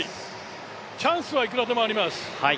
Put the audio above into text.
チャンスはいくらでもあります。